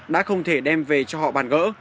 đã không thể đem về cho họ bàn gỡ